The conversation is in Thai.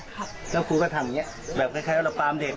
ครับแล้วครูก็ทำอย่างเงี้ยแบบคล้ายคล้ายว่าเราปามเด็ก